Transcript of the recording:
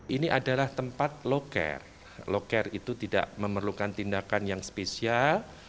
ini adalah tempat low care low care itu tidak memerlukan tindakan yang spesial